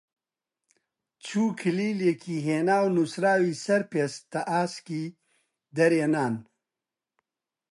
چوو کلیلێکی هێنا و نووسراوی سەر پێستە ئاسکی دەرێنان